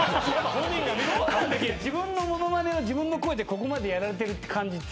自分の物まねを自分の声でここまでやられてるって感じは？